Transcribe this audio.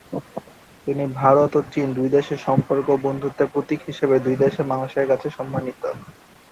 তিনি ভারত ও চীন দুই দেশের সম্পর্ক ও বন্ধুত্বের প্রতীক হিসেবে দুই দেশের মানুষের কাছে সম্মানিত।